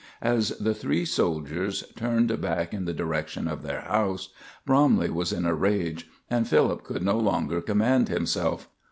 As the three soldiers turned back in the direction of their house, Bromley was in a rage, and Philip could no longer command himself.